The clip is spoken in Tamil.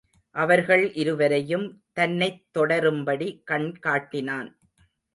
அவர்கள் இருவரையும் தன்னைத் தொடரும்படி கண் காட்டினான்.